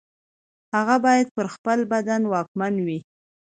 هغه باید پر خپل بدن واکمن وي.